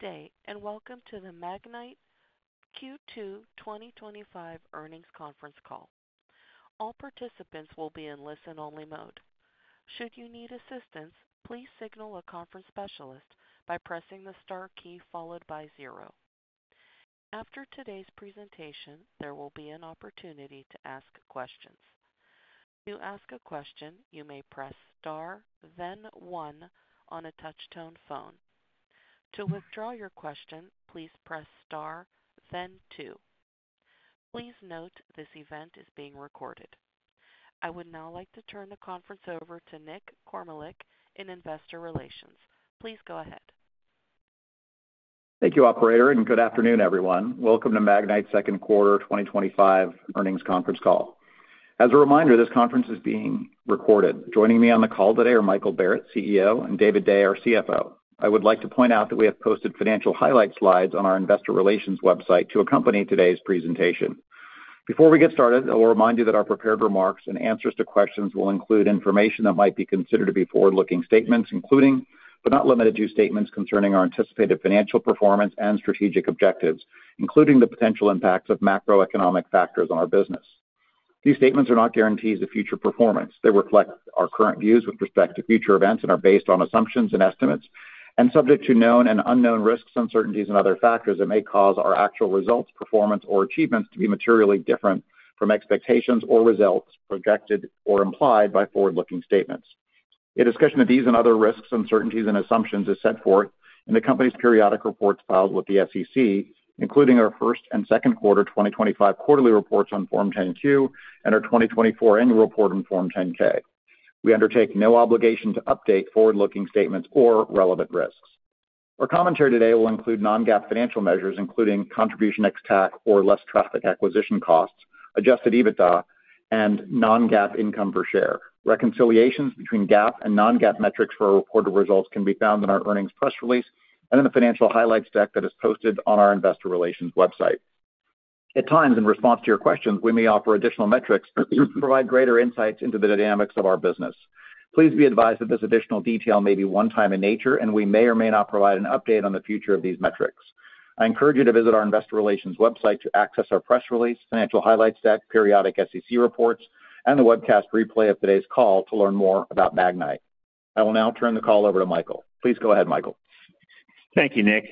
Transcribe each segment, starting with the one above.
Good day, and welcome to the Magnite Q2 2025 earnings conference call. All participants will be in listen-only mode. Should you need assistance, please signal a conference specialist by pressing the star key followed by zero. After today's presentation, there will be an opportunity to ask questions. To ask a question, you may press star, then one on a touch-tone phone. To withdraw your question, please press star, then two. Please note this event is being recorded. I would now like to turn the conference over to Nick Kormeluk in Investor Relations. Please go ahead. Thank you, operator, and good afternoon, everyone. Welcome to Magnite's second quarter 2025 earnings conference call. As a reminder, this conference is being recorded. Joining me on the call today are Michael Barrett, CEO, and David Day, our CFO. I would like to point out that we have posted financial highlight slides on our investor relations website to accompany today's presentation. Before we get started, I will remind you that our prepared remarks and answers to questions will include information that might be considered to be forward-looking statements, including, but not limited to, statements concerning our anticipated financial performance and strategic objectives, including the potential impacts of macroeconomic factors on our business. These statements are not guarantees of future performance. They reflect our current views with respect to future events and are based on assumptions and estimates and subject to known and unknown risks, uncertainties, and other factors that may cause our actual results, performance, or achievements to be materially different from expectations or results projected or implied by forward-looking statements. A discussion of these and other risks, uncertainties, and assumptions is set forth in the company's periodic reports filed with the SEC, including our first and second quarter 2025 quarterly reports on Form 10-Q and our 2024 annual report on Form 10-K. We undertake no obligation to update forward-looking statements or relevant risks. Our commentary today will include non-GAAP financial measures, including contribution ex-TAC or less traffic acquisition costs, adjusted EBITDA, and non-GAAP income per share. Reconciliations between GAAP and non-GAAP metrics for our reported results can be found in our earnings press release and in the financial highlights deck that is posted on our investor relations website. At times, in response to your questions, we may offer additional metrics that provide greater insights into the dynamics of our business. Please be advised that this additional detail may be one-time in nature, and we may or may not provide an update on the future of these metrics. I encourage you to visit our Investor Relations website to access our press release, financial highlights deck, periodic SEC reports, and the webcast replay of today's call to learn more about Magnite. I will now turn the call over to Michael. Please go ahead, Michael. Thank you, Nick.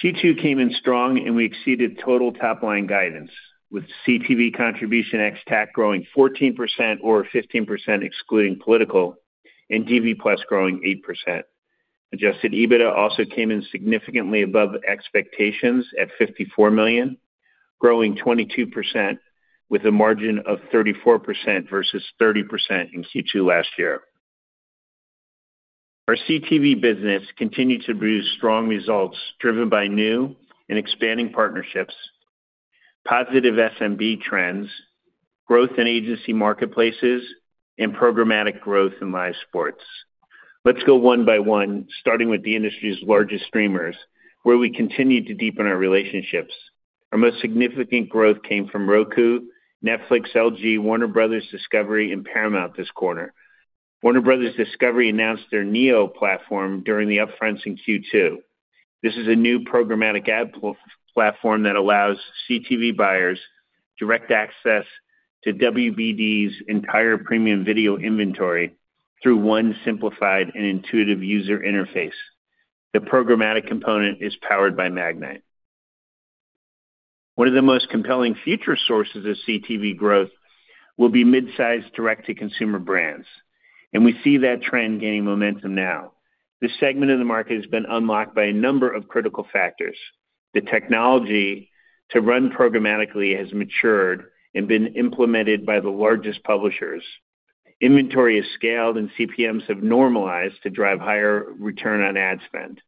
Q2 came in strong, and we exceeded total top-line guidance, with CTV contribution ex-TAC growing 14% or 15% excluding political, and DV+ growing 8%. Adjusted EBITDA also came in significantly above expectations at $54 million, growing 22% with a margin of 34% versus 30% in Q2 last year. Our CTV business continued to produce strong results driven by new and expanding partnerships, positive F&B trends, growth in agency marketplaces, and programmatic growth in Live Sports. Let's go one by one, starting with the industry's largest streamers, where we continued to deepen our relationships. Our most significant growth came from Roku, Netflix, LG, Warner Bros. Discovery, and Paramount this quarter. Warner Bros. Discovery announced their NEO platform during the upfronts in Q2. This is a new programmatic ad platform that allows CTV buyers direct access to WBD's entire premium video inventory through one simplified and intuitive user interface. The programmatic component is powered by Magnite. One of the most compelling future sources of CTV growth will be mid-size direct-to-consumer brands, and we see that trend gaining momentum now. This segment of the market has been unlocked by a number of critical factors. The technology to run programmatically has matured and been implemented by the largest publishers. Inventory has scaled, and CPMs have normalized to drive higher return on ad spend.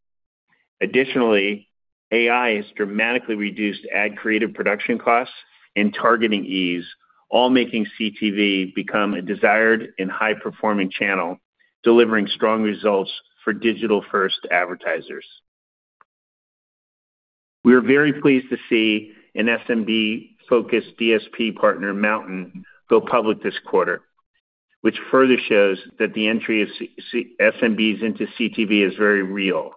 Additionally, AI has dramatically reduced ad creative production costs and targeting ease, all making CTV become a desired and high-performing channel, delivering strong results for digital-first advertisers. We are very pleased to see an SMB-focused DSP partner, MNTN, go public this quarter, which further shows that the entry of SMBs into CTV is very real.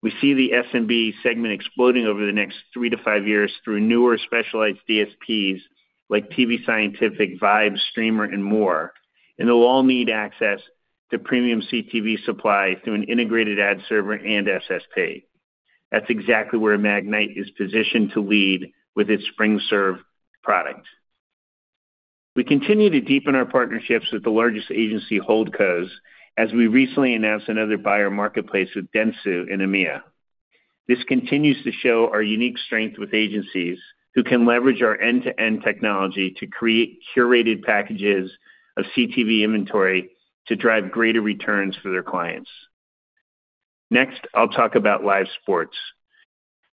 We see the SMB segment exploding over the next three to five years through newer specialized DSPs like tvScientific, Vibe, Streamr, and more, and they'll all need access to premium CTV supply through an integrated ad server and SSP. That's exactly where Magnite is positioned to lead with its SpringServe product. We continue to deepen our partnerships with the largest agency holdcos, as we recently announced another buyer marketplace with Dentsu in EMEA. This continues to show our unique strength with agencies who can leverage our end-to-end technology to create curated packages of CTV inventory to drive greater returns for their clients. Next, I'll talk about Live Sports.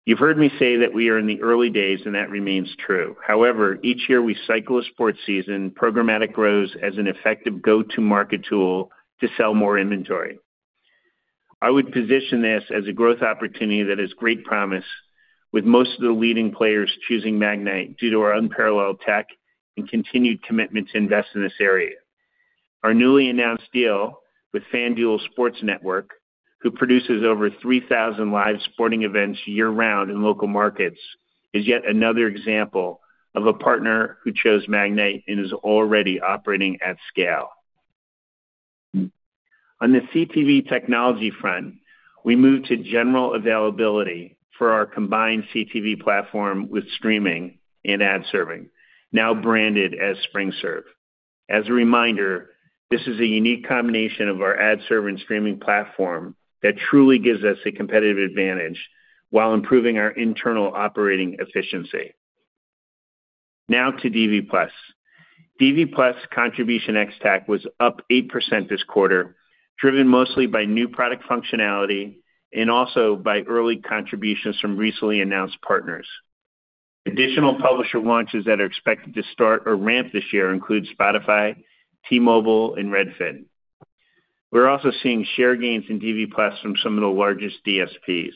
You've heard me say that we are in the early days, and that remains true. However, each year we cycle a sports season, programmatic grows as an effective go-to-market tool to sell more inventory. I would position this as a growth opportunity that has great promise, with most of the leading players choosing Magnite due to our unparalleled tech and continued commitment to invest in this area. Our newly announced deal with FanDuel Sports Network, who produces over 3,000 live sporting events year-round in local markets, is yet another example of a partner who chose Magnite and is already operating at scale. On the CTV technology front, we moved to general availability for our combined CTV platform with streaming and ad serving, now branded as SpringServe. As a reminder, this is a unique combination of our ad serve and streaming platform that truly gives us a competitive advantage while improving our internal operating efficiency. Now to DV+. DV+ contribution ex-TAC was up 8% this quarter, driven mostly by new product functionality and also by early contributions from recently announced partners. Additional publisher launches that are expected to start or ramp this year include Spotify, T-Mobile, and Redfin. We're also seeing share gains in DV+ from some of the largest DSPs.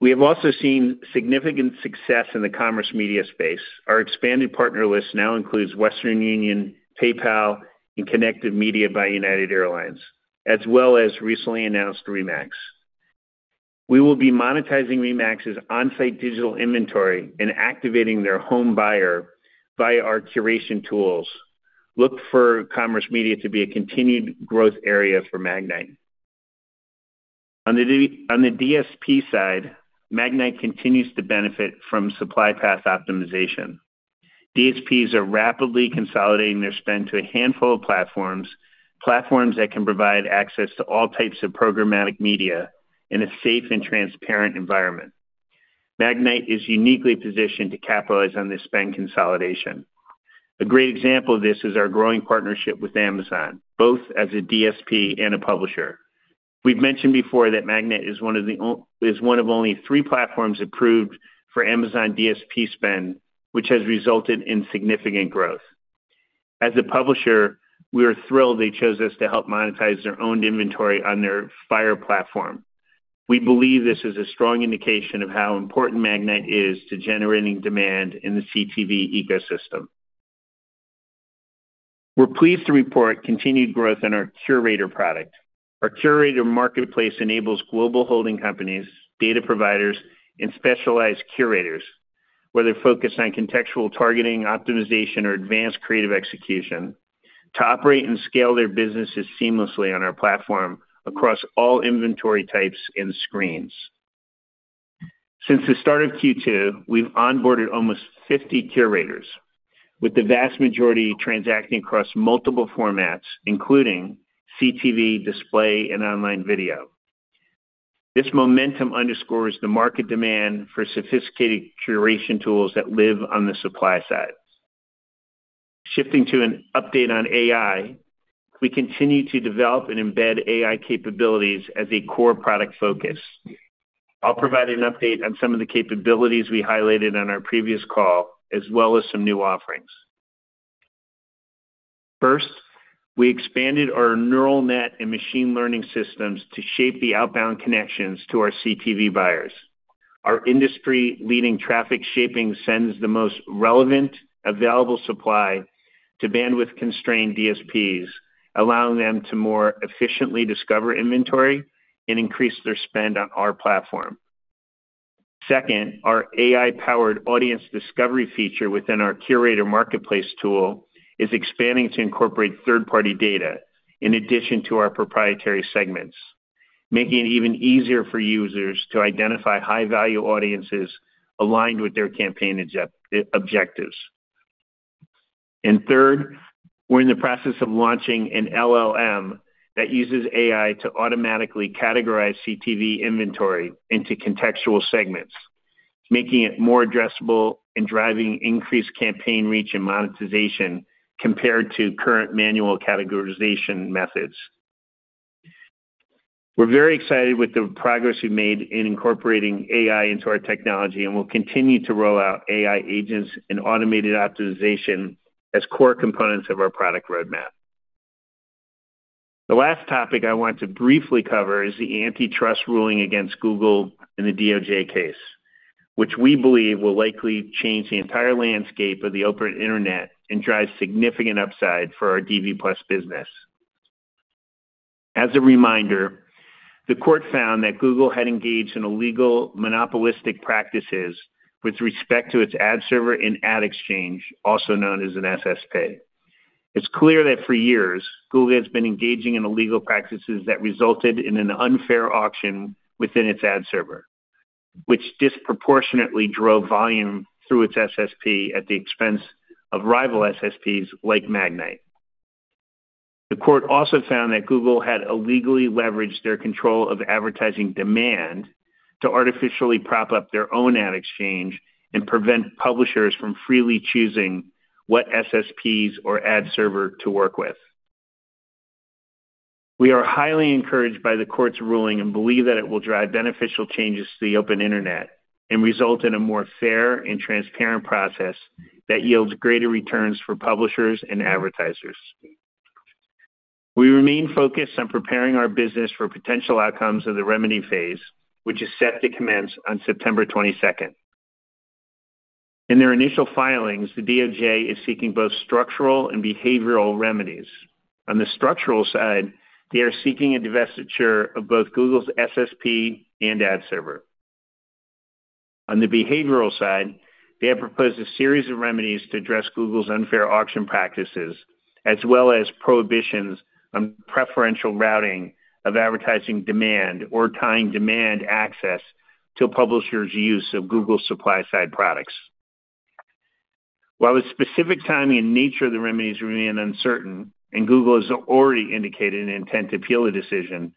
We have also seen significant success in the commerce media space. Our expanded partner list now includes Western Union, PayPal, and Kinective Media by United Airlines, as well as recently announced RE/MAX. We will be monetizing RE/MAX's on-site digital inventory and activating their home buyer via our curation tools. Look for commerce media to be a continued growth area for Magnite. On the DSP side, Magnite continues to benefit from supply path optimization. DSPs are rapidly consolidating their spend to a handful of platforms, platforms that can provide access to all types of programmatic media in a safe and transparent environment. Magnite is uniquely positioned to capitalize on this spend consolidation. A great example of this is our growing partnership with Amazon, both as a DSP and a publisher. We've mentioned before that Magnite is one of the only three platforms approved for Amazon DSP spend, which has resulted in significant growth. As a publisher, we are thrilled they chose us to help monetize their own inventory on their Fire platform. We believe this is a strong indication of how important Magnite is to generating demand in the CTV ecosystem. We're pleased to report continued growth in our Curator product. Our Curator marketplace enables global holding companies, data providers, and specialized curators, whether focused on contextual targeting, optimization, or advanced creative execution, to operate and scale their businesses seamlessly on our platform across all inventory types and screens. Since the start of Q2, we've onboarded almost 50 curators, with the vast majority transacting across multiple formats, including CTV, display, and online video. This momentum underscores the market demand for sophisticated curation tools that live on the supply side. Shifting to an update on AI, we continue to develop and embed AI capabilities as a core product focus. I'll provide an update on some of the capabilities we highlighted on our previous call, as well as some new offerings. First, we expanded our neural net and machine learning systems to shape the outbound connections to our CTV buyers. Our industry-leading traffic shaping sends the most relevant, available supply to bandwidth-constrained DSPs, allowing them to more efficiently discover inventory and increase their spend on our platform. Second, our AI-powered audience discovery feature within our Curator marketplace tool is expanding to incorporate third-party data in addition to our proprietary segments, making it even easier for users to identify high-value audiences aligned with their campaign objectives. Third, we're in the process of launching an LLM that uses AI to automatically categorize CTV inventory into contextual segments, making it more addressable and driving increased campaign reach and monetization compared to current manual categorization methods. We're very excited with the progress we've made in incorporating AI into our technology, and we'll continue to roll out AI agents and automated optimization as core components of our product roadmap. The last topic I want to briefly cover is the antitrust ruling against Google in the DOJ case, which we believe will likely change the entire landscape of the open internet and drive significant upside for our DV+ business. As a reminder, the court found that Google had engaged in illegal monopolistic practices with respect to its ad server and ad exchange, also known as an SSP. It's clear that for years, Google has been engaging in illegal practices that resulted in an unfair auction within its ad server, which disproportionately drove volume through its SSP at the expense of rival SSPs like Magnite. The court also found that Google had illegally leveraged their control of advertising demand to artificially prop up their own ad exchange and prevent publishers from freely choosing what SSPs or ad server to work with. We are highly encouraged by the court's ruling and believe that it will drive beneficial changes to the open internet and result in a more fair and transparent process that yields greater returns for publishers and advertisers. We remain focused on preparing our business for potential outcomes of the remedy phase, which is set to commence on September 22. In their initial filings, the DOJ is seeking both structural and behavioral remedies. On the structural side, they are seeking a divestiture of both Google's SSP and ad server. On the behavioral side, they have proposed a series of remedies to address Google's unfair auction practices, as well as prohibitions on preferential routing of advertising demand or tying demand access to publishers' use of Google's supply-side products. While the specific timing and nature of the remedies remain uncertain, and Google has already indicated an intent to appeal the decision,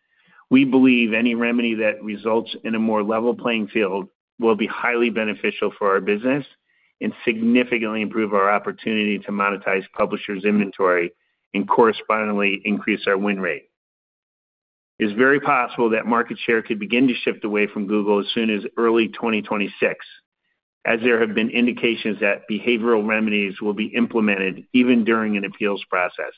we believe any remedy that results in a more level playing field will be highly beneficial for our business and significantly improve our opportunity to monetize publishers' inventory and correspondingly increase our win rate. It is very possible that market share could begin to shift away from Google as soon as early 2026, as there have been indications that behavioral remedies will be implemented even during an appeals process.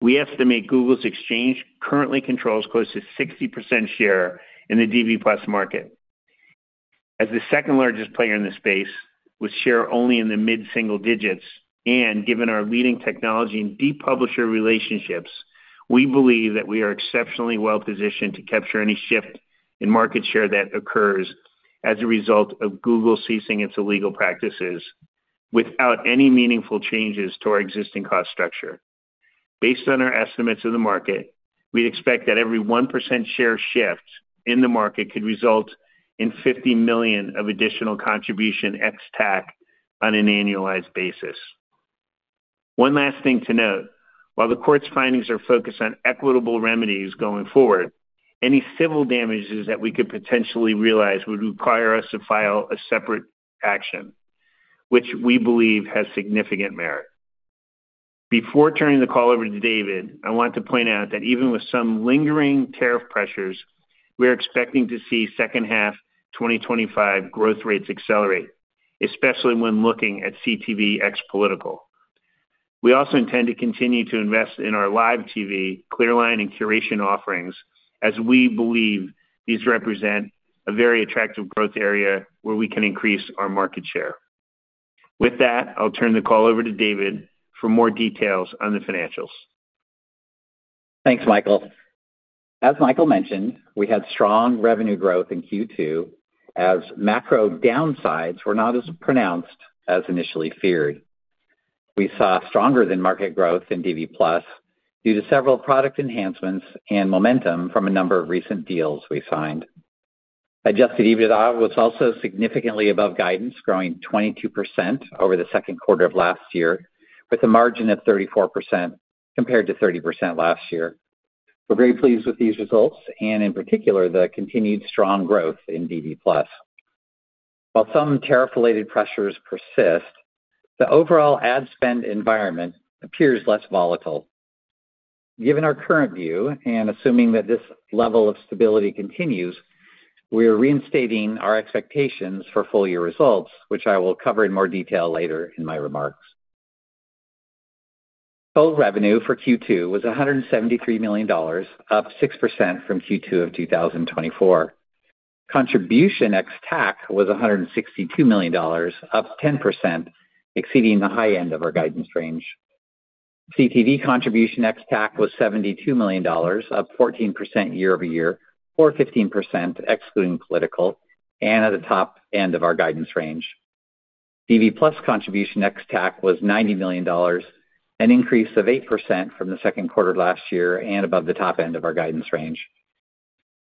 We estimate Google's exchange currently controls close to 60% share in the DV+ market. As the second largest player in the space, with share only in the mid-single digits, and given our leading technology and deep publisher relationships, we believe that we are exceptionally well positioned to capture any shift in market share that occurs as a result of Google ceasing its illegal practices without any meaningful changes to our existing cost structure. Based on our estimates of the market, we'd expect that every 1% share shift in the market could result in $50 million of additional contribution ex-TAC on an annualized basis. One last thing to note, while the court's findings are focused on equitable remedies going forward, any civil damages that we could potentially realize would require us to file a separate action, which we believe has significant merit. Before turning the call over to David, I want to point out that even with some lingering tariff pressures, we are expecting to see second half 2025 growth rates accelerate, especially when looking at CTV ex political. We also intend to continue to invest in our live TV, ClearLine, and Curation offerings, as we believe these represent a very attractive growth area where we can increase our market share. With that, I'll turn the call over to David for more details on the financials. Thanks, Michael. As Michael mentioned, we had strong revenue growth in Q2 as macro downsides were not as pronounced as initially feared. We saw stronger than market growth in DV+ due to several product enhancements and momentum from a number of recent deals we signed. Adjusted EBITDA was also significantly above guidance, growing 22% over the second quarter of last year, with a margin of 34% compared to 30% last year. We're very pleased with these results and, in particular, the continued strong growth in DV+. While some tariff-related pressures persist, the overall ad spend environment appears less volatile. Given our current view and assuming that this level of stability continues, we are reinstating our expectations for full-year results, which I will cover in more detail later in my remarks. Full revenue for Q2 was $173 million, up 6% from Q2 of 2024. Contribution ex-TAC was $162 million, up 10%, exceeding the high end of our guidance range. CTV contribution ex-TAC was $72 million, up 14% year-over-year, or 15% excluding political, and at the top end of our guidance range. DV+ contribution ex-TAC was $90 million, an increase of 8% from the second quarter of last year and above the top end of our guidance range.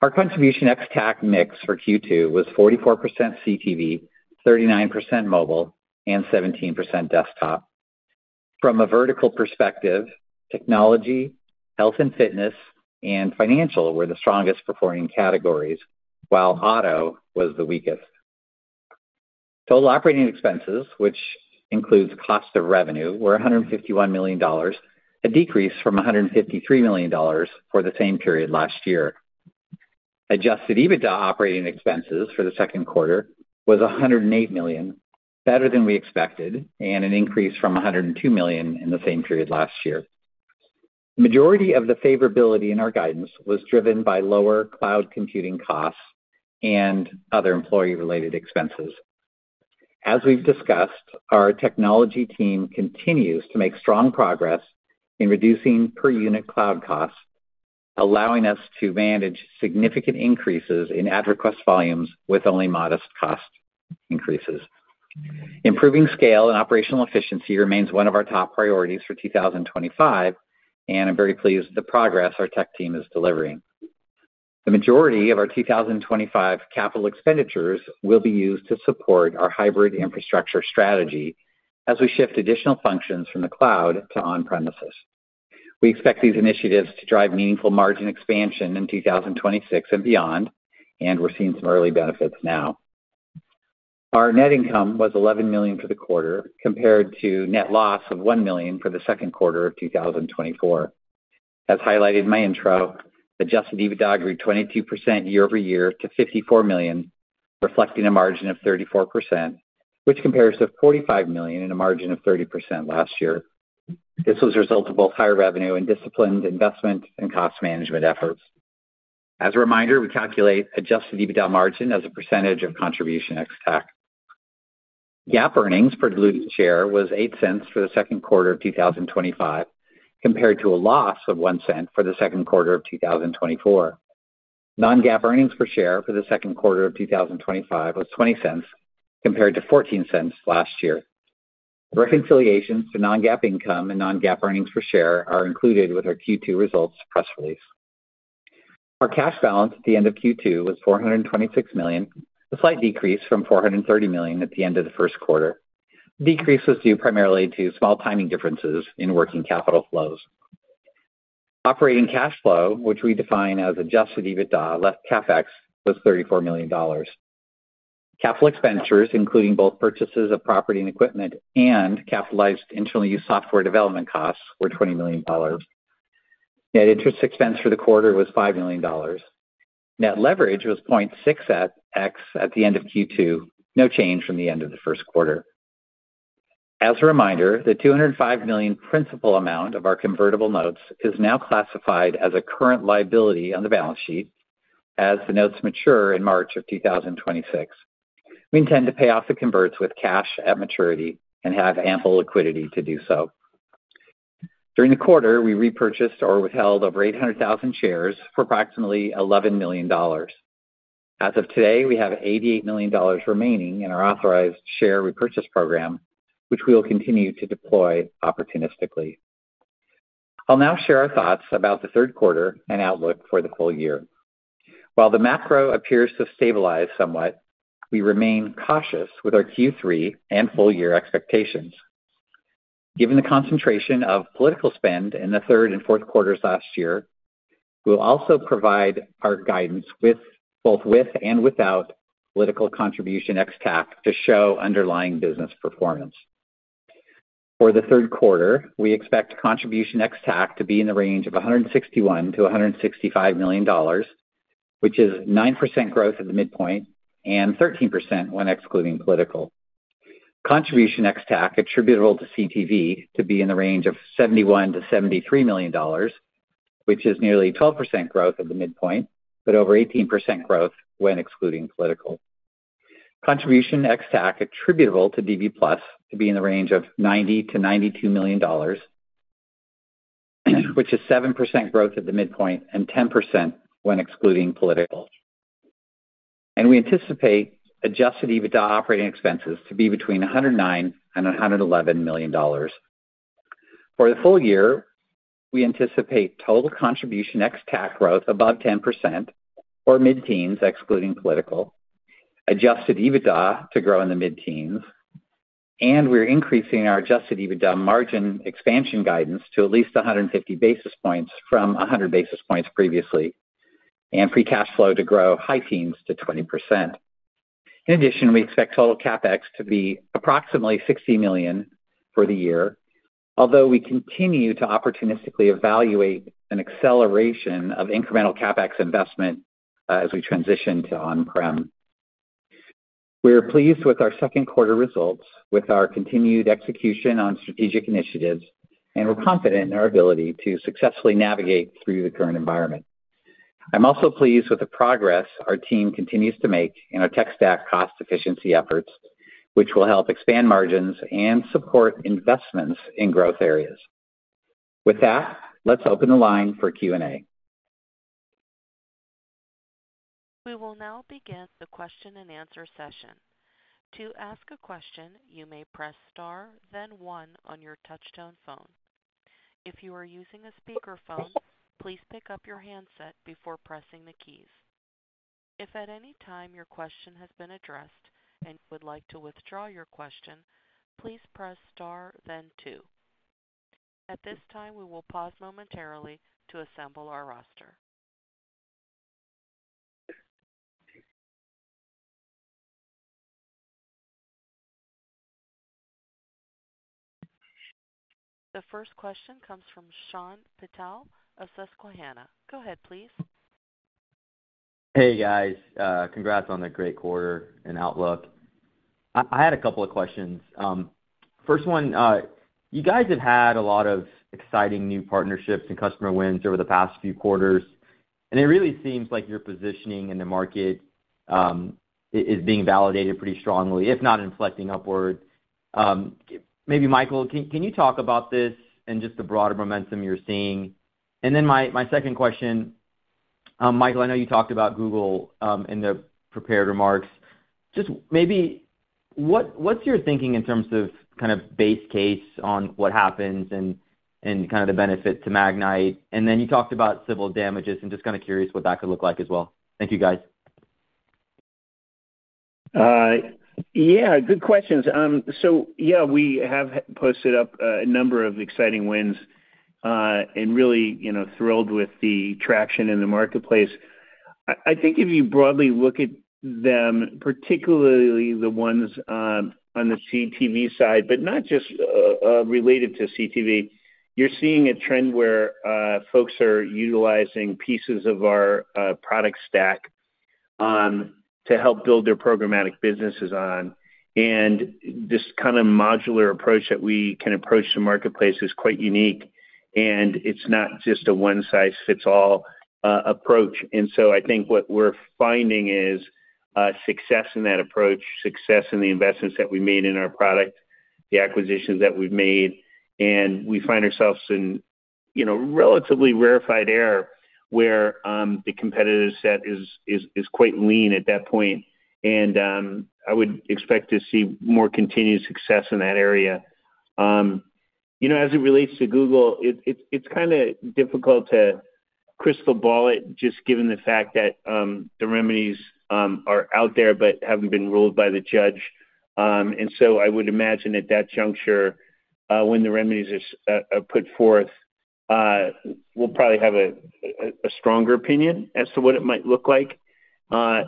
Our contribution ex-TAC mix for Q2 was 44% CTV, 39% mobile, and 17% desktop. From a vertical perspective, technology, health and fitness, and financial were the strongest performing categories, while auto was the weakest. Total operating expenses, which includes cost of revenue, were $151 million, a decrease from $153 million for the same period last year. Adjusted EBITDA operating expenses for the second quarter was $108 million, better than we expected, and an increase from $102 million in the same period last year. The majority of the favorability in our guidance was driven by lower cloud computing costs and other employee-related expenses. As we've discussed, our technology team continues to make strong progress in reducing per unit cloud costs, allowing us to manage significant increases in ad request volumes with only modest cost increases. Improving scale and operational efficiency remains one of our top priorities for 2025, and I'm very pleased with the progress our tech team is delivering. The majority of our 2025 capital expenditures will be used to support our hybrid infrastructure strategy as we shift additional functions from the cloud to on-premises. We expect these initiatives to drive meaningful margin expansion in 2026 and beyond, and we're seeing some early benefits now. Our net income was $11 million for the quarter, compared to net loss of $1 million for the second quarter of 2024. As highlighted in my intro, adjusted EBITDA grew 22% year-over-year to $54 million, reflecting a margin of 34%, which compares to $45 million and a margin of 30% last year. This was a result of both higher revenue and disciplined investment and cost management efforts. As a reminder, we calculate adjusted EBITDA margin as a percentage of contribution ex-TAC. GAAP earnings per diluted share was $0.08 for the second quarter of 2025, compared to a loss of $0.01 for the second quarter of 2024. Non-GAAP earnings per share for the second quarter of 2025 was $0.20, compared to $0.14 last year. Reconciliations to non-GAAP income and non-GAAP earnings per share are included with our Q2 results press release. Our cash balance at the end of Q2 was $426 million, a slight decrease from $430 million at the end of the first quarter. The decrease was due primarily to small timing differences in working capital flows. Operating cash flow, which we define as adjusted EBITDA less CapEx, was $34 million. Capital expenditures, including both purchases of property and equipment and capitalized internal use software development costs, were $20 million. Net interest expense for the quarter was $5 million. Net leverage was 0.6x at the end of Q2, no change from the end of the first quarter. As a reminder, the $205 million principal amount of our convertible notes is now classified as a current liability on the balance sheet as the notes mature in March of 2026. We intend to pay off the converts with cash at maturity and have ample liquidity to do so. During the quarter, we repurchased or withheld over 800,000 shares for approximately $11 million. As of today, we have $88 million remaining in our authorized share repurchase program, which we will continue to deploy opportunistically. I'll now share our thoughts about the third quarter and outlook for the full year. While the macro appears to have stabilized somewhat, we remain cautious with our Q3 and full-year expectations. Given the concentration of political spend in the third and fourth quarters last year, we'll also provide our guidance both with and without political contribution ex-TAC to show underlying business performance. For the third quarter, we expect contribution ex-TAC to be in the range of $161-$165 million, which is 9% growth at the midpoint and 13% when excluding political. Contribution ex-TAC attributable to CTV to be in the range of $71-$73 million, which is nearly 12% growth at the midpoint, but over 18% growth when excluding political. Contribution ex-TAC attributable to DV+ to be in the range of $90-$92 million, which is 7% growth at the midpoint and 10% when excluding political. We anticipate adjusted EBITDA operating expenses to be between $109 and $111 million. For the full year, we anticipate total contribution ex-TAC growth above 10% or mid-teens, excluding political, adjusted EBITDA to grow in the mid-teens, and we're increasing our adjusted EBITDA margin expansion guidance to at least 150 basis points from 100 basis points previously, and free cash flow to grow high teens to 20%. In addition, we expect total CapEx to be approximately $60 million for the year, although we continue to opportunistically evaluate an acceleration of incremental CapEx investment as we transition to on-prem. We're pleased with our second quarter results with our continued execution on strategic initiatives, and we're confident in our ability to successfully navigate through the current environment. I'm also pleased with the progress our team continues to make in our tech stack cost efficiency efforts, which will help expand margins and support investments in growth areas. With that, let's open the line for Q&A. We will now begin the question and answer session. To ask a question, you may press star, then one on your touch-tone phone. If you are using a speakerphone, please pick up your handset before pressing the keys. If at any time your question has been addressed and you would like to withdraw your question, please press star, then two. At this time, we will pause momentarily to assemble our roster. The first question comes from Shyam Patil of Susquehanna. Go ahead, please. Hey, guys. Congrats on the great quarter and outlook. I had a couple of questions. First one, you guys have had a lot of exciting new partnerships and customer wins over the past few quarters, and it really seems like your positioning in the market is being validated pretty strongly, if not inflecting upward. Maybe, Michael, can you talk about this and just the broader momentum you're seeing? My second question, Michael, I know you talked about Google in the prepared remarks. Just maybe what's your thinking in terms of kind of base case on what happens and kind of the benefit to Magnite? You talked about civil damages, and just kind of curious what that could look like as well. Thank you, guys. Yeah, good questions. We have posted up a number of exciting wins and are really thrilled with the traction in the marketplace. I think if you broadly look at them, particularly the ones on the CTV side, but not just related to CTV, you're seeing a trend where folks are utilizing pieces of our product stack to help build their programmatic businesses on. This kind of modular approach that we can approach the marketplace with is quite unique, and it's not just a one-size-fits-all approach. I think what we're finding is success in that approach, success in the investments that we made in our product, the acquisitions that we've made, and we find ourselves in relatively rarefied air where the competitive set is quite lean at that point. I would expect to see more continued success in that area. As it relates to Google, it's kind of difficult to crystal ball it, just given the fact that the remedies are out there but haven't been ruled by the judge. I would imagine at that juncture, when the remedies are put forth, we'll probably have a stronger opinion as to what it might look like. As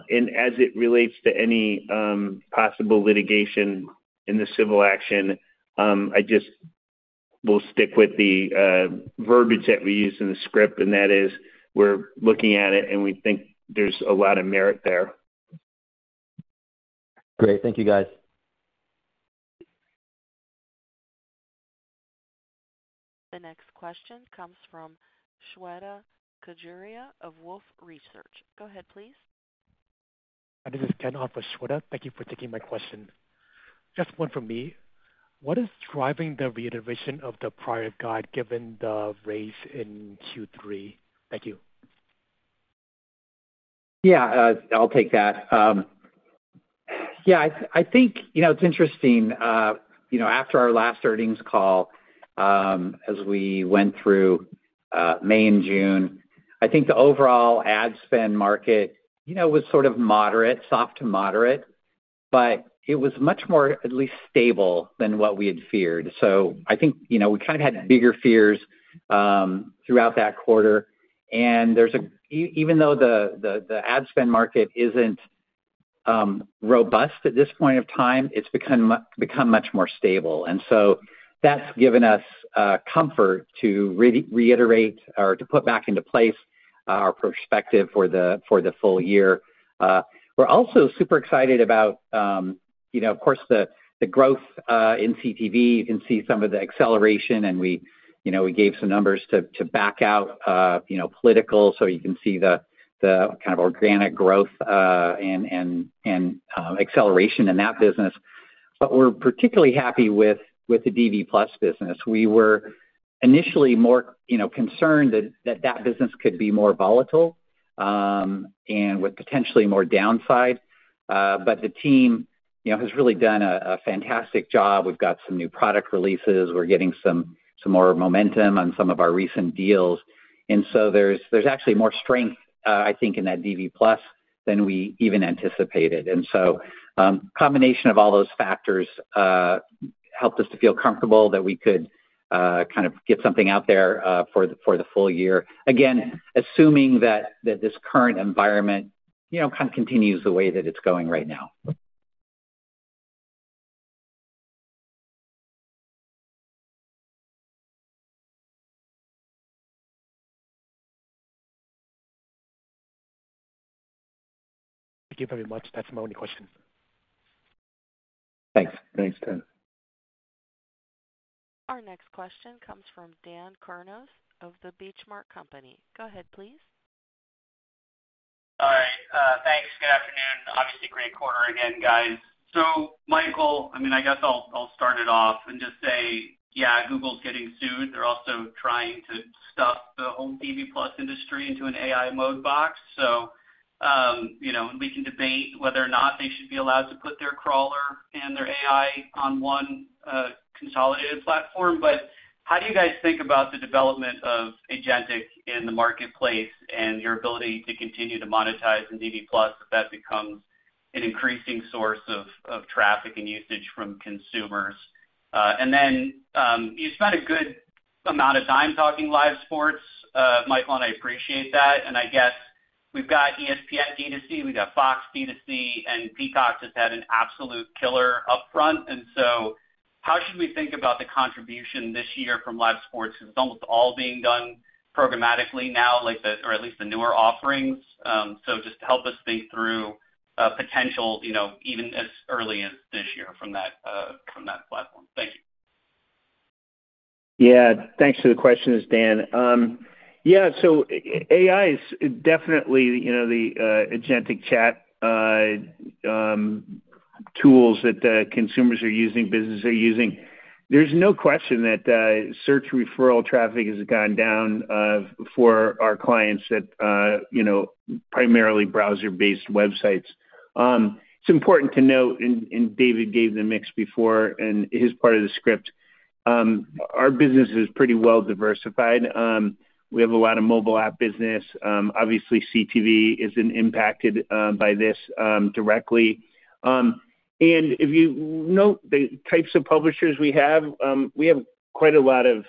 it relates to any possible litigation in the civil action, I will just stick with the verbiage that we use in the script, and that is we're looking at it and we think there's a lot of merit there. Great. Thank you, guys. The next question comes from Shweta Khajuria of Wolfe Research. Go ahead, please. This is Ken Hoff for Shweta. Thank you for taking my question. Just one for me. What is driving the reiteration of the prior guide given the raise in Q3? Thank you. Yeah, I'll take that. I think, you know, it's interesting. After our last earnings call, as we went through May and June, I think the overall ad spend market was sort of soft to moderate, but it was much more at least stable than what we had feared. I think we kind of had bigger fears throughout that quarter. Even though the ad spend market isn't robust at this point of time, it's become much more stable. That's given us comfort to reiterate or to put back into place our perspective for the full year. We're also super excited about, of course, the growth in CTV. You can see some of the acceleration, and we gave some numbers to back out political, so you can see the kind of organic growth and acceleration in that business. We're particularly happy with the DV+ business. We were initially more concerned that that business could be more volatile and with potentially more downside. The team has really done a fantastic job. We've got some new product releases. We're getting some more momentum on some of our recent deals. There's actually more strength, I think, in that DV+ than we even anticipated. A combination of all those factors helped us to feel comfortable that we could kind of get something out there for the full year, again, assuming that this current environment kind of continues the way that it's going right now. Thank you very much. That's my only question. Thanks. Thanks, Ken. Our next question comes from Dan Kurnos of The Benchmark Company. Go ahead, please. All right. Thanks. Good afternoon. Obviously, great quarter again, guys. Michael, I guess I'll start it off and just say, yeah, Google's getting sued. They're also trying to stuff the whole DV+ industry into an AI mode box. You know, we can debate whether or not they should be allowed to put their crawler and their AI on one consolidated platform. How do you guys think about the development of agentic in the marketplace and your ability to continue to monetize in DV+ if that becomes an increasing source of traffic and usage from consumers? You spent a good amount of time talking Live Sports, Michael, and I appreciate that. I guess we've got ESPN DTC, we've got Fox DTC, and Peacock just had an absolute killer upfront. How should we think about the contribution this year from Live Sports? It's almost all being done programmatically now, or at least the newer offerings. Just to help us think through a potential, you know, even as early as this year from that platform. Thank you. Yeah, thanks for the questions, Dan. Yeah, so AI is definitely, you know, the agentic chat tools that consumers are using, businesses are using. There's no question that search referral traffic has gone down for our clients that, you know, primarily browser-based websites. It's important to note, and David gave the mix before in his part of the script, our business is pretty well diversified. We have a lot of mobile app business. Obviously, CTV is impacted by this directly. If you note the types of publishers we have, we have quite a lot of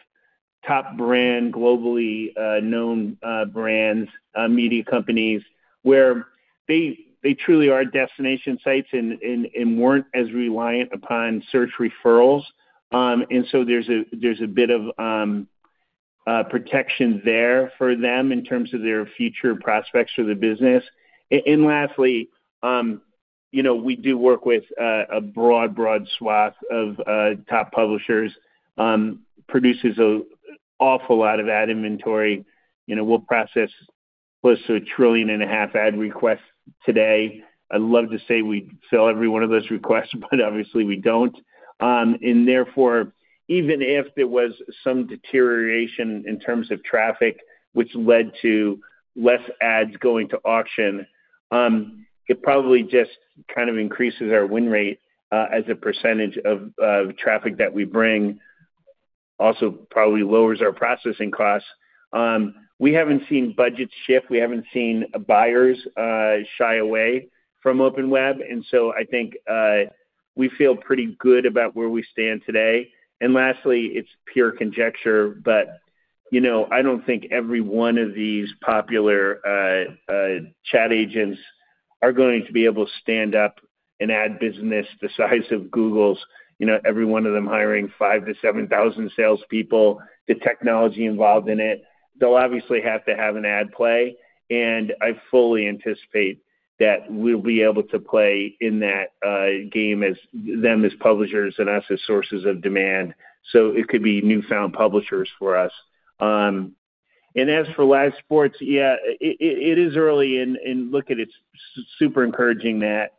top brand, globally known brands, media companies where they truly are destination sites and weren't as reliant upon search referrals. There's a bit of protection there for them in terms of their future prospects for the business. Lastly, we do work with a broad, broad swath of top publishers, produces an awful lot of ad inventory. We'll process close to a trillion and a half ad requests today. I'd love to say we fill every one of those requests, but obviously, we don't. Therefore, even if there was some deterioration in terms of traffic, which led to less ads going to auction, it probably just kind of increases our win rate as a percentage of traffic that we bring. Also, probably lowers our processing costs. We haven't seen budgets shift. We haven't seen buyers shy away from open web. I think we feel pretty good about where we stand today. Lastly, it's pure conjecture, but I don't think every one of these popular chat agents are going to be able to stand up an ad business the size of Google's. Every one of them hiring five to seven thousand salespeople, the technology involved in it, they'll obviously have to have an ad play. I fully anticipate that we'll be able to play in that game as them as publishers and us as sources of demand. It could be newfound publishers for us. As for Live Sports, yeah, it is early, and look at it. It's super encouraging that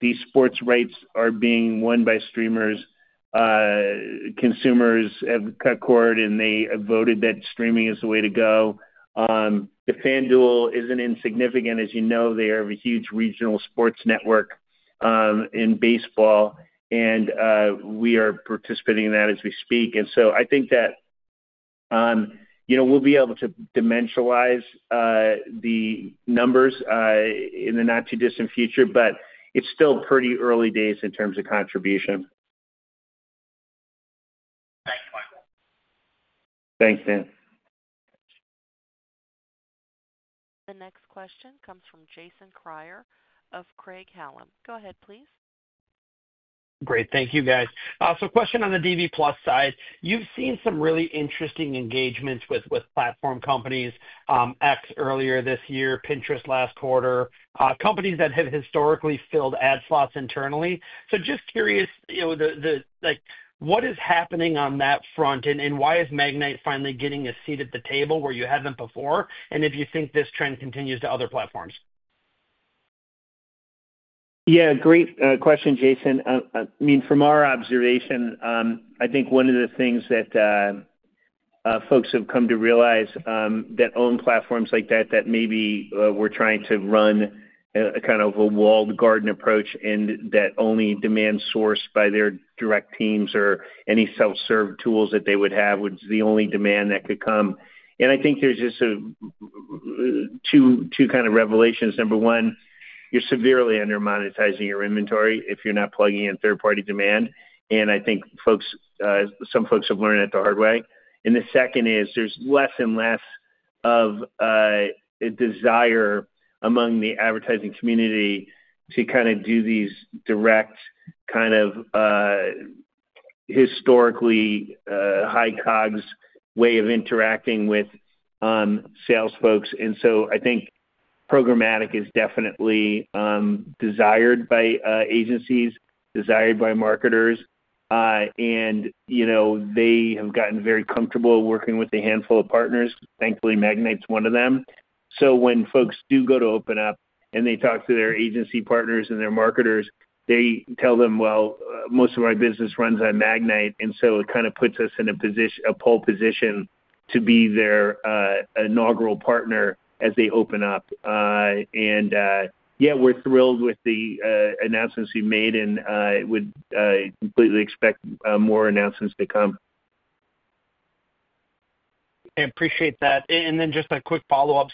these sports rights are being won by streamers. Consumers have cut cord, and they have voted that streaming is the way to go. The FanDuel isn't insignificant. As you know, they are a huge regional sports network in baseball, and we are participating in that as we speak. I think that we'll be able to dementialize the numbers in the not-too-distant future, but it's still pretty early days in terms of contribution. Thanks, Michael. Thanks, Dan. The next question comes from Jason Kreyer of Craig-Hallum. Go ahead, please. Great. Thank you, guys. A question on the DV+ side. You've seen some really interesting engagements with platform companies, X earlier this year, Pinterest last quarter, companies that have historically filled ad slots internally. Just curious, you know, like what is happening on that front and why is Magnite finally getting a seat at the table where you hadn't before and if you think this trend continues to other platforms? Yeah, great question, Jason. From our observation, I think one of the things that folks have come to realize that own platforms like that, that maybe were trying to run a kind of a walled garden approach and that only demand sourced by their direct teams or any self-serve tools that they would have was the only demand that could come. I think there's just two kind of revelations. Number one, you're severely under-monetizing your inventory if you're not plugging in third-party demand. I think some folks have learned it the hard way. The second is there's less and less of a desire among the advertising community to kind of do these direct, historically high-cogs way of interacting with sales folks. I think programmatic is definitely desired by agencies, desired by marketers. They have gotten very comfortable working with a handful of partners. Thankfully, Magnite's one of them. When folks do go to open up and they talk to their agency partners and their marketers, they tell them, most of our business runs on Magnite. It kind of puts us in a position, a pole position to be their inaugural partner as they open up. We're thrilled with the announcements we've made and would completely expect more announcements to come. I appreciate that. Just a quick follow-up.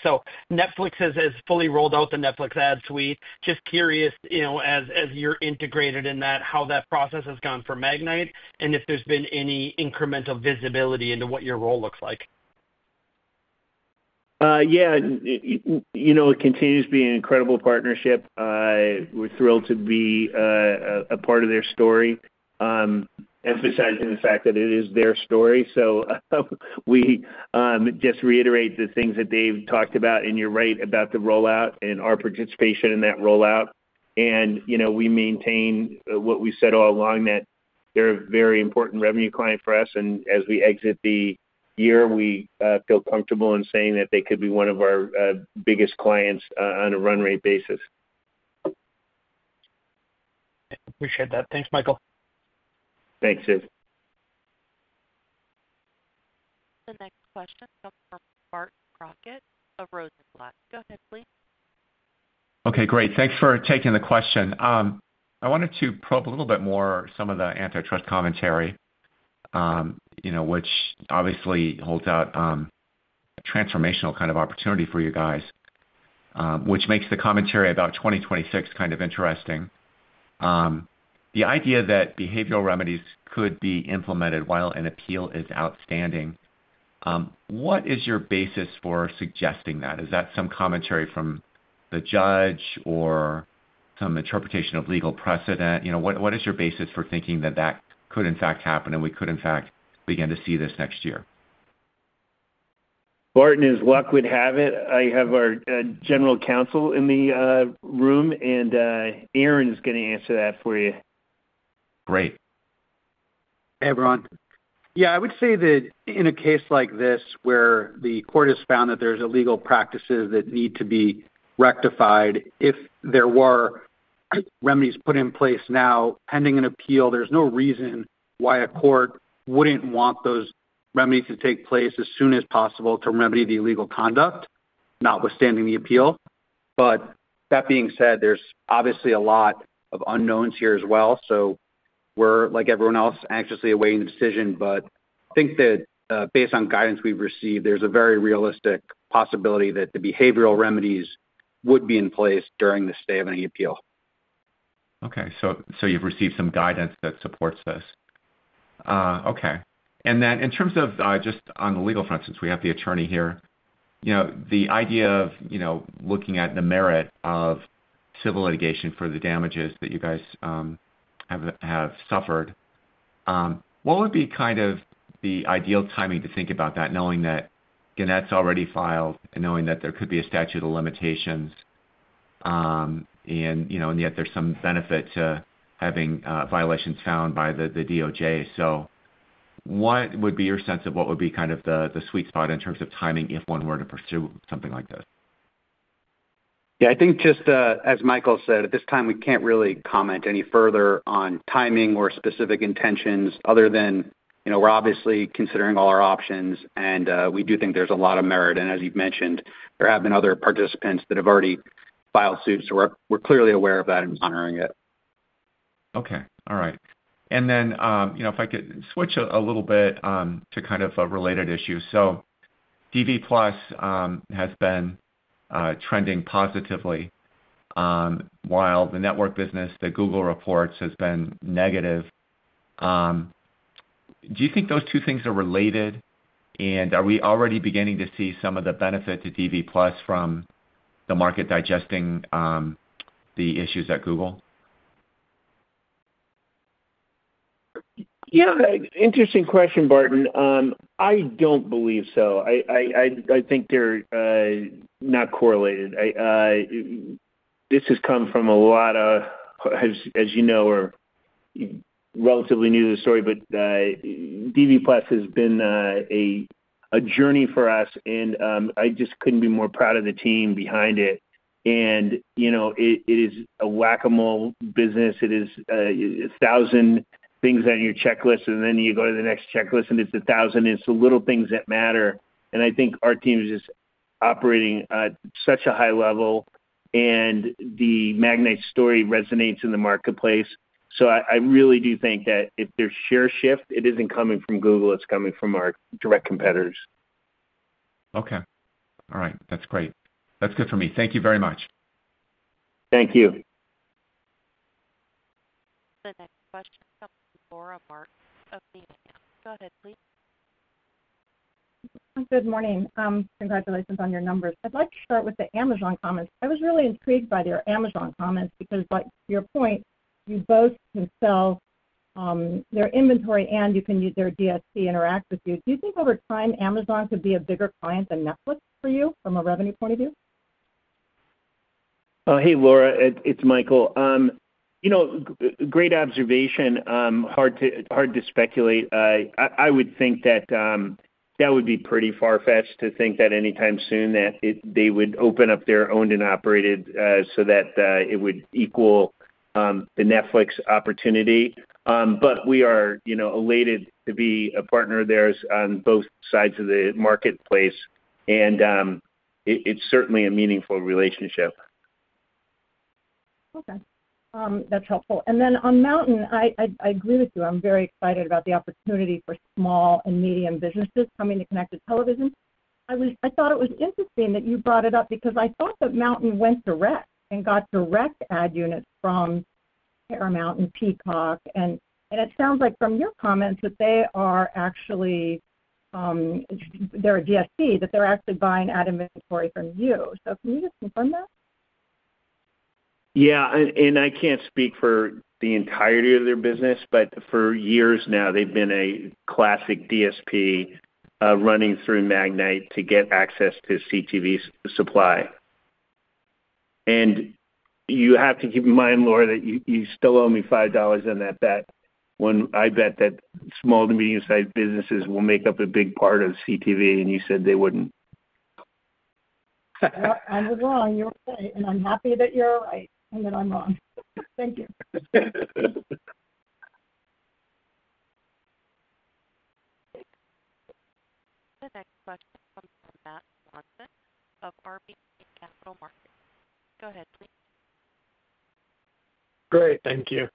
Netflix has fully rolled out the Netflix ad suite. I'm just curious, as you're integrated in that, how that process has gone for Magnite and if there's been any incremental visibility into what your role looks like. Yeah, it continues to be an incredible partnership. We're thrilled to be a part of their story, emphasizing the fact that it is their story. We just reiterate the things that they've talked about, and you're right about the rollout and our participation in that rollout. We maintain what we said all along that they're a very important revenue client for us. As we exit the year, we feel comfortable in saying that they could be one of our biggest clients on a run-rate basis. Appreciate that. Thanks, Michael. Thanks, Jason. The next question comes from Barton Crockett of Rosenblatt. Go ahead, please. Okay, great. Thanks for taking the question. I wanted to probe a little bit more on some of the antitrust commentary, which obviously holds out transformational kind of opportunity for you guys, which makes the commentary about 2026 kind of interesting. The idea that behavioral remedies could be implemented while an appeal is outstanding, what is your basis for suggesting that? Is that some commentary from the judge or some interpretation of legal precedent? What is your basis for thinking that that could in fact happen and we could in fact begin to see this next year? Barton, as luck would have it, I have our General Counsel in the room, and Aaron is going to answer that for you. Great. Hey, everyone. I would say that in a case like this where the court has found that there's illegal practices that need to be rectified, if there were remedies put in place now pending an appeal, there's no reason why a court wouldn't want those remedies to take place as soon as possible to remedy the illegal conduct, notwithstanding the appeal. That being said, there's obviously a lot of unknowns here as well. We're, like everyone else, anxiously awaiting the decision. I think that based on guidance we've received, there's a very realistic possibility that the behavioral remedies would be in place during the stay of any appeal. Okay, so you've received some guidance that supports this. Okay. In terms of just on the legal front, since we have the attorney here, the idea of looking at the merit of civil litigation for the damages that you guys have suffered, what would be kind of the ideal timing to think about that, knowing that, again, that's already filed and knowing that there could be a statute of limitations, and yet there's some benefit to having violations found by the DOJ. What would be your sense of what would be kind of the sweet spot in terms of timing if one were to pursue something like this? Yeah, I think just as Michael said, at this time, we can't really comment any further on timing or specific intentions other than, you know, we're obviously considering all our options and we do think there's a lot of merit. As you've mentioned, there have been other participants that have already filed suit, so we're clearly aware of that and honoring it. Okay, all right. If I could switch a little bit to kind of a related issue. DV+ has been trending positively while the network business that Google reports has been negative. Do you think those two things are related, and are we already beginning to see some of the benefit to DV+ from the market digesting the issues at Google? Yeah, interesting question, Barton. I don't believe so. I think they're not correlated. This has come from a lot of, as you know, we're relatively new to the story, but DV+ has been a journey for us and I just couldn't be more proud of the team behind it. It is a whack-a-mole business. It is a thousand things on your checklist and then you go to the next checklist and it's a thousand, it's the little things that matter. I think our team is just operating at such a high level and the Magnite story resonates in the marketplace. I really do think that if there's a share shift, it isn't coming from Google, it's coming from our direct competitors. Okay, all right, that's great. That's good for me. Thank you very much. Thank you. The next question comes from Laura Martin of Needham. Go ahead, please. Good morning. Congratulations on your numbers. I'd like to start with the Amazon comments. I was really intrigued by their Amazon comments because, like your point, you both can sell their inventory and you can use their DSP to interact with you. Do you think over time Amazon could be a bigger client than Netflix for you from a revenue point of view? Hey, Laura, it's Michael. Great observation. Hard to speculate. I would think that that would be pretty far-fetched to think that anytime soon that they would open up their owned and operated so that it would equal the Netflix opportunity. We are elated to be a partner of theirs on both sides of the marketplace, and it's certainly a meaningful relationship. Okay, that's helpful. On MNTN, I agree with you. I'm very excited about the opportunity for small and medium businesses coming to connected television. I thought it was interesting that you brought it up because I thought that MNTN went direct and got direct ad units from Paramount and Peacock. It sounds like from your comments that they are actually, they're a DSP, that they're actually buying ad inventory from you. Can you just confirm that? Yeah, and I can't speak for the entirety of their business, but for years now, they've been a classic DSP running through Magnite to get access to CTV's supply. You have to keep in mind, Laura, that you still owe me $5 on that bet when I bet that small to medium-sized businesses will make up a big part of CTV and you said they wouldn't. I was wrong. You're right, and I'm happy that you're right and that I'm wrong. Thank you. The next question comes from Matt Swanson of RBC Capital Markets.Go ahead, please. Great, thank you.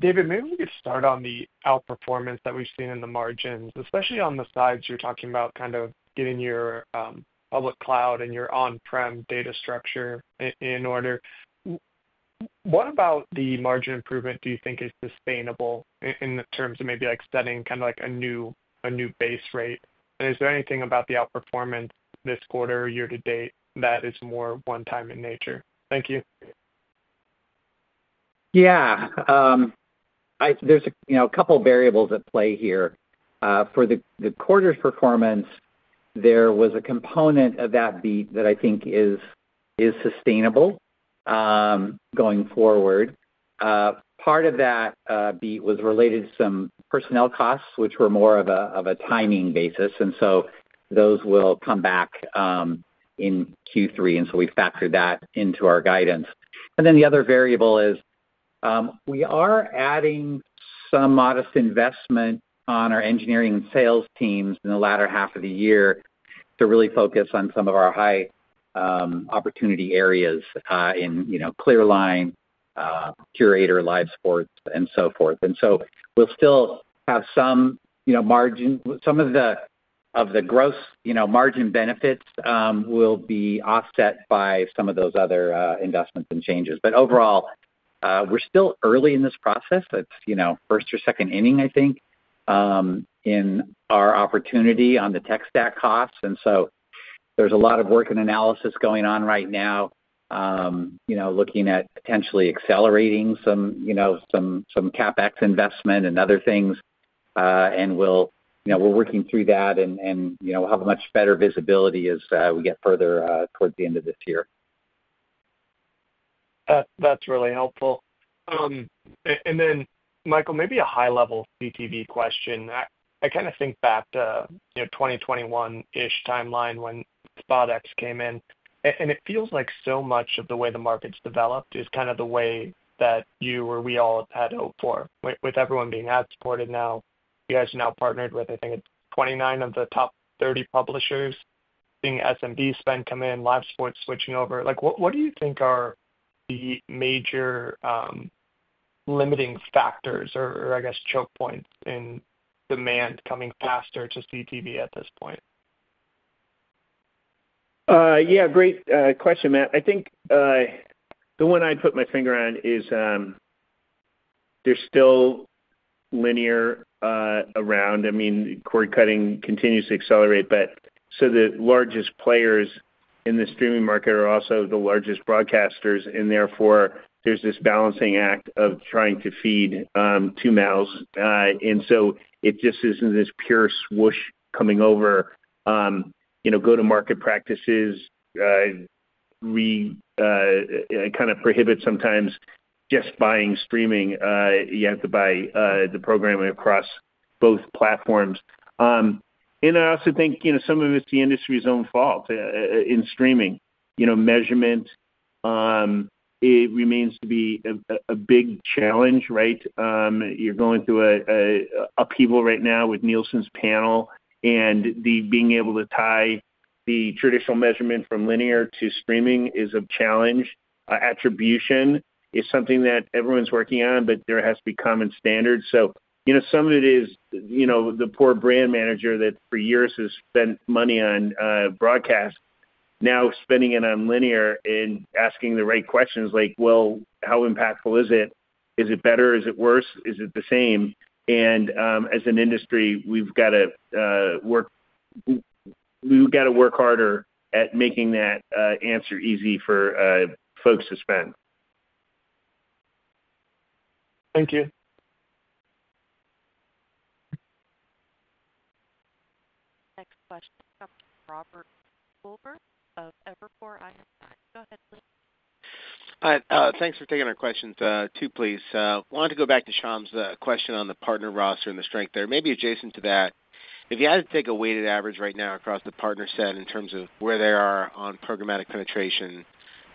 David, maybe we could start on the outperformance that we've seen in the margins, especially on the sides you're talking about, kind of getting your public cloud and your on-prem data structure in order. What about the margin improvement do you think is sustainable in terms of maybe like setting kind of like a new base rate? Is there anything about the outperformance this quarter or year to date that is more one-time in nature? Thank you. Yeah, there's a couple of variables at play here. For the quarter's performance, there was a component of that beat that I think is sustainable going forward. Part of that beat was related to some personnel costs, which were more of a timing basis. Those will come back in Q3, and we factored that into our guidance. The other variable is we are adding some modest investment on our engineering and sales teams in the latter half of the year to really focus on some of our high opportunity areas in, you know, ClearLine, Curator, Live Sports, and so forth. We'll still have some, you know, margin, some of the gross, you know, margin benefits will be offset by some of those other investments and changes. Overall, we're still early in this process. It's, you know, first or second inning, I think, in our opportunity on the tech stack costs. There's a lot of work and analysis going on right now, you know, looking at potentially accelerating some, you know, some CapEx investment and other things. We're working through that and we'll have much better visibility as we get further towards the end of this year. That's really helpful. Michael, maybe a high-level CTV question. I kind of think back to, you know, 2021-ish timeline when SpotX came in. It feels like so much of the way the market's developed is kind of the way that you or we all had hoped for. With everyone being ad-supported now, you guys are now partnered with, I think it's 29 of the top 30 publishers, seeing SMB spend come in, Live Sports switching over. What do you think are the major limiting factors or, I guess, choke points in demand coming faster to CTV at this point? Yeah, great question, Matt. I think the one I'd put my finger on is they're still linear around. I mean, cord cutting continues to accelerate, but the largest players in the streaming market are also the largest broadcasters, and therefore there's this balancing act of trying to feed two mouths. It just isn't this pure swoosh coming over. Go-to-market practices kind of prohibit sometimes just buying streaming. You have to buy the programming across both platforms. I also think some of it's the industry's own fault in streaming. Measurement remains to be a big challenge, right? You're going through an upheaval right now with Nielsen's panel, and being able to tie the traditional measurement from linear to streaming is a challenge. Attribution is something that everyone's working on, but there has to be common standards. Some of it is the poor brand manager that for years has spent money on broadcast now spending it on linear and asking the right questions like, how impactful is it? Is it better? Is it worse? Is it the same? As an industry, we've got to work harder at making that answer easy for folks to spend. Thank you. Next question comes from Robert Coolbrith of Evercore ISI. Go ahead, please. Thanks for taking our questions too, please. I wanted to go back to Shyam's question on the partner roster and the strength there. Maybe adjacent to that, if you had to take a weighted average right now across the partner set in terms of where they are on programmatic penetration, in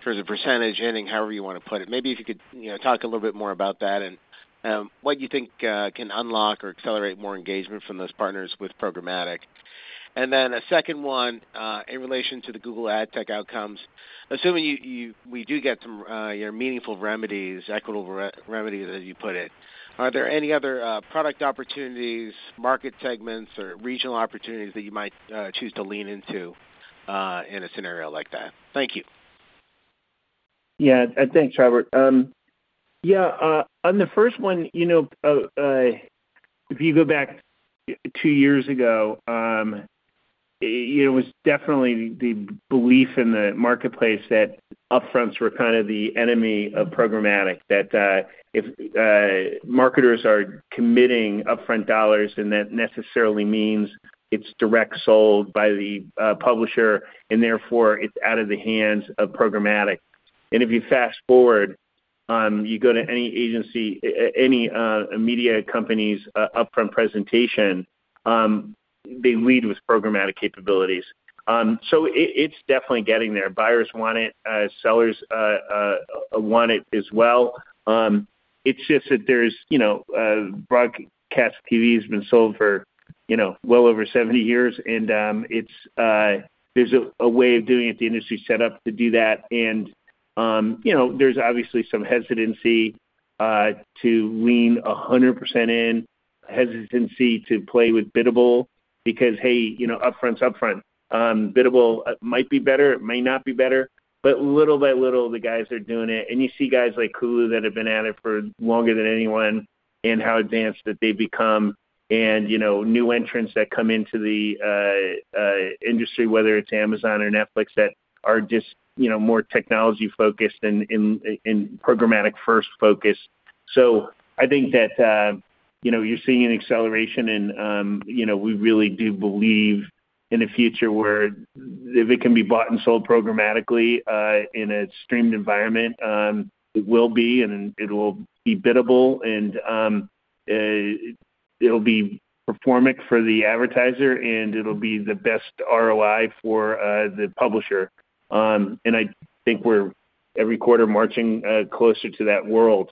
terms of percentage, ending, however you want to put it, maybe if you could talk a little bit more about that and what you think can unlock or accelerate more engagement from those partners with programmatic. A second one in relation to the Google ad tech outcomes. Assuming we do get some meaningful remedies, equitable remedies, as you put it, are there any other product opportunities, market segments, or regional opportunities that you might choose to lean into in a scenario like that? Thank you. Yeah, thanks, Robert. On the first one, if you go back two years ago, it was definitely the belief in the marketplace that upfronts were kind of the enemy of programmatic, that if marketers are committing upfront dollars, then that necessarily means it's direct sold by the publisher and therefore it's out of the hands of programmatic. If you fast forward, you go to any agency, any media company's upfront presentation, they lead with programmatic capabilities. It's definitely getting there. Buyers want it, sellers want it as well. It's just that there's, you know, broadcast TV has been sold for well over 70 years and there's a way of doing it, the industry set up to do that. There's obviously some hesitancy to lean 100% in, hesitancy to play with biddable because, hey, upfront's upfront. Biddable might be better, it might not be better, but little by little, the guys are doing it. You see guys like Hulu that have been at it for longer than anyone and how advanced that they've become. New entrants that come into the industry, whether it's Amazon or Netflix, that are just more technology-focused and programmatic-first focused. I think that you're seeing an acceleration and we really do believe in a future where if it can be bought and sold programmatically in a streamed environment, it will be and it will be biddable and it'll be performant for the advertiser and it'll be the best ROI for the publisher. I think we're every quarter marching closer to that world.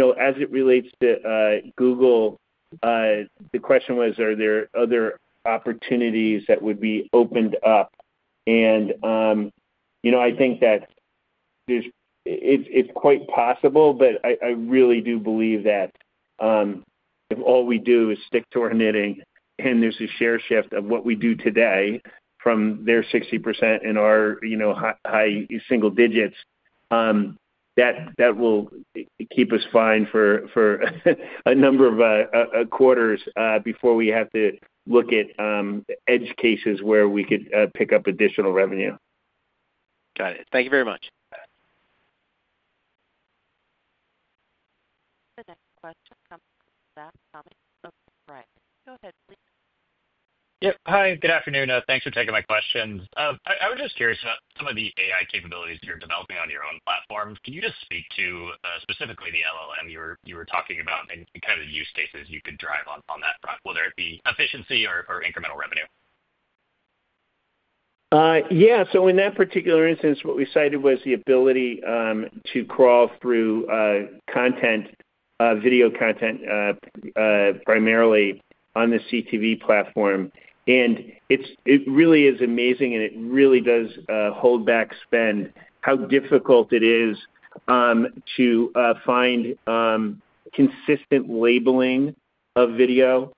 As it relates to Google, the question was, are there other opportunities that would be opened up? I think that it's quite possible, but I really do believe that if all we do is stick to our knitting and there's a share shift of what we do today from their 60% and our high single digits, that will keep us fine for a number of quarters before we have to look at edge cases where we could pick up additional revenue. Got it. Thank you very much. The next question comes from Zach Thomas. Right, go ahead, please. Hi, good afternoon. Thanks for taking my questions. I was just curious about some of the AI capabilities you're developing on your own platforms. Can you just speak to specifically the LLM you were talking about and kind of the use cases you could drive on that front, whether it be efficiency or incremental revenue? Yeah, in that particular instance, what we cited was the ability to crawl through content, video content, primarily on the CTV platform. It really is amazing, and it really does hold back spend, how difficult it is to find consistent labeling of video,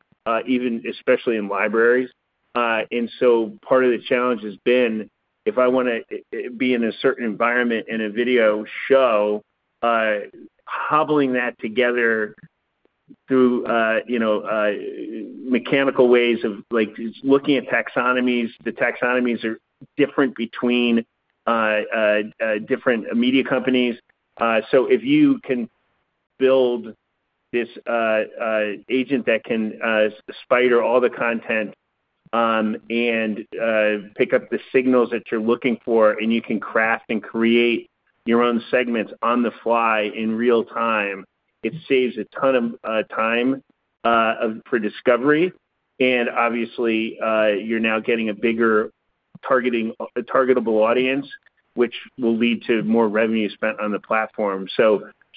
even especially in libraries. Part of the challenge has been if I want to be in a certain environment in a video show, hobbling that together through mechanical ways of looking at taxonomies. The taxonomies are different between different media companies. If you can build this agent that can spider all the content and pick up the signals that you're looking for, and you can craft and create your own segments on the fly in real time, it saves a ton of time for discovery. Obviously, you're now getting a bigger targetable audience, which will lead to more revenue spent on the platform.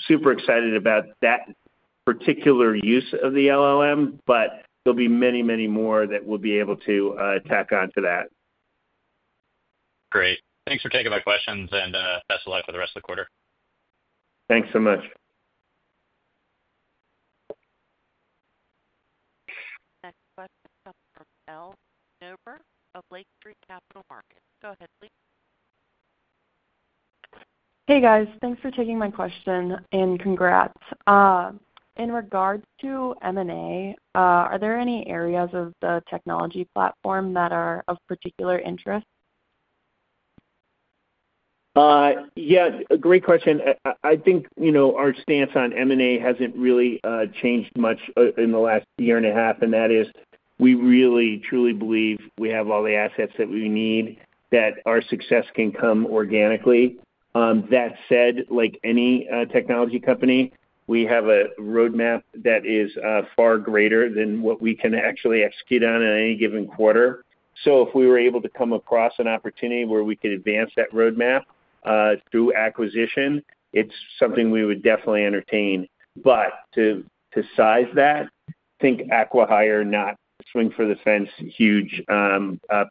Super excited about that particular use of the LLM, but there will be many, many more that we'll be able to tack onto that. Great. Thanks for taking my questions and best of luck for the rest of the quarter. Thanks so much. Next question comes from Elle Niebuhr of Lake Street Capital Markets. Go ahead, please. Hey guys, thanks for taking my question and congrats. In regards to M&A, are there any areas of the technology platform that are of particular interest? Great question. I think our stance on M&A hasn't really changed much in the last year and a half, and that is we really, truly believe we have all the assets that we need, that our success can come organically. That said, like any technology company, we have a roadmap that is far greater than what we can actually execute on in any given quarter. If we were able to come across an opportunity where we could advance that roadmap through acquisition, it's something we would definitely entertain. To size that, think acqui-hire, not swing for the fence, huge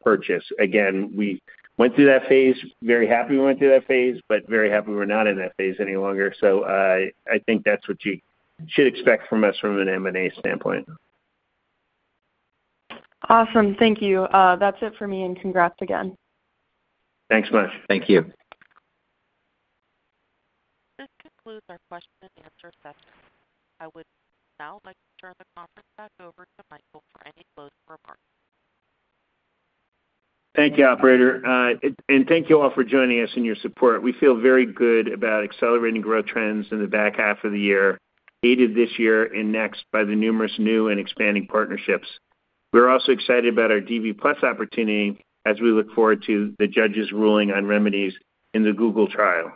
purchase. We went through that phase, very happy we went through that phase, but very happy we're not in that phase any longer. I think that's what you should expect from us from an M&A standpoint. Awesome, thank you. That's it for me, and congrats again. Thanks much. Thank you. This concludes our question and answer session. I would now like to turn the conference back over to Michael for any closing remarks. Thank you, operator. Thank you all for joining us and your support. We feel very good about accelerating growth trends in the back half of the year, aided this year and next by the numerous new and expanding partnerships. We're also excited about our DV+ opportunity as we look forward to the judge's ruling on remedies in the Google trial.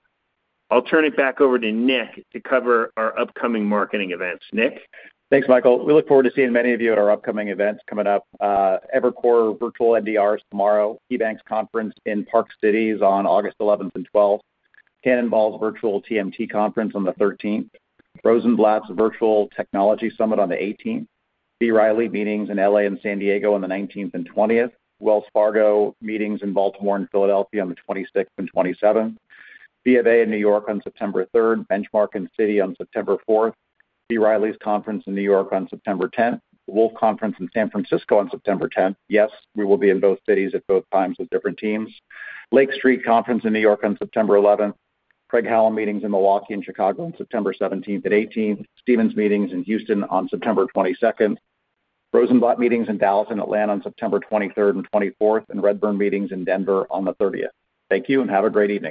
I'll turn it back over to Nick to cover our upcoming marketing events. Nick? Thanks, Michael. We look forward to seeing many of you at our upcoming events. Evercore Virtual NDRs tomorrow, eBank's conference in Park Cities on August 11 and 12, Cannonball's Virtual TMT conference on the 13th, Rosenblatt's Virtual Technology Summit on the 18th, B. Riley meetings in L.A. and San Diego on the 19th and 20th, Wells Fargo meetings in Baltimore and Philadelphia on the 26th and 27th, BofA. in New York on September 3, Benchmark and Citi on September 4, B. Riley's conference in New York on September 10, Wolfe Conference in San Francisco on September 10. Yes, we will be in both cities at both times with different teams. Lake Street conference in New York on September 11, Craig-Hallum meetings in Milwaukee and Chicago on September 17 and 18, Stephens meetings in Houston on September 22, Rosenblatt meetings in Dallas and Atlanta on September 23 and 24, and Redburn meetings in Denver on the 30th. Thank you and have a great evening.